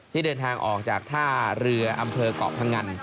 ที่เดินทางออกจากท่าเรืออำเภอกเกาะพงัน